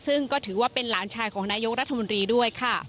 ซึ่งก็ถือว่าเป็นหลานชายของนายกรัฐมนตรีด้วยค่ะ